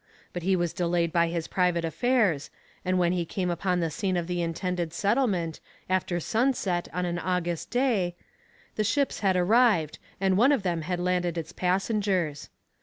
But he was delayed by his private affairs, and when he came upon the scene of the intended settlement, after sunset on an August day, the ships had arrived and one of them had landed its passengers.